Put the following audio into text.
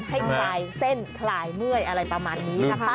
คลายเส้นคลายเมื่อยอะไรประมาณนี้นะคะ